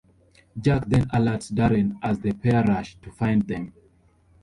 Jack then alerts Darren as the pair rush to find them.